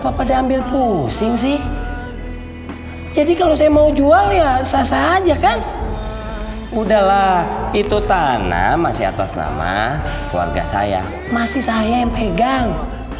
pada ambil pusing sih jadi kalau saya mau jual ya sah saja kan udahlah itu tanah masih atas nama keluarga saya masih saya yang pegang